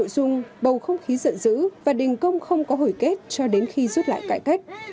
nội dung bầu không khí giận dữ và đình công không có hồi kết cho đến khi rút lại cải cách